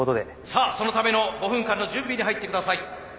さあそのための５分間の準備に入ってください。